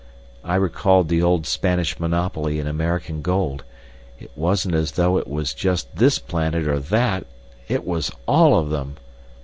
I recalled the old Spanish monopoly in American gold. It wasn't as though it was just this planet or that—it was all of them.